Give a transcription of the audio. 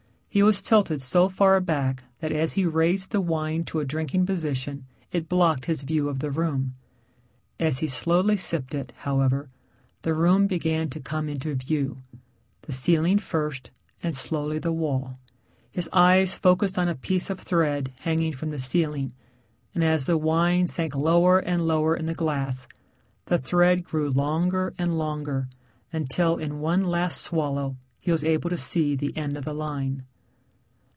He was tilted so far back that as he raised the wine to a drinking position, it blocked his view of the room. As he slowly sipped it, however, the room began to come into view the ceiling first and slowly the wall. His eyes focused on a piece of thread hanging from the ceiling, and as the wine sank lower and lower in the glass, the thread grew longer and longer until in one last swallow he was able to see the end of the line.